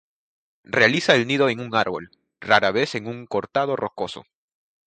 Realiza el nido en un árbol, rara vez en un cortado rocoso.